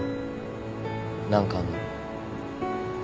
何かあんの？